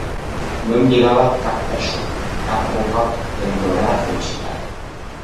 No em lligava cap persona, cap record que em donara felicitat...